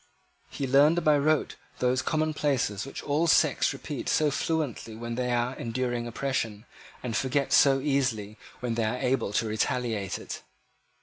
He learned by rote those commonplaces which all sects repeat so fluently when they are enduring oppression, and forget so easily when they are able to retaliate it.